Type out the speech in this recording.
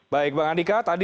baik bang andika tadi